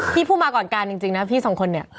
พี่ชื่อมาก่อนการณ์จริงนะพี่สองคน